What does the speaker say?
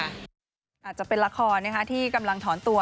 อาจจะเป็นละครที่กำลังถอนตัว